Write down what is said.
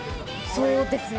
そうですね。